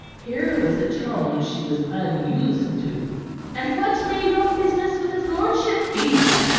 Here was a tone she was unused to. "And what may your business with his lordship be?"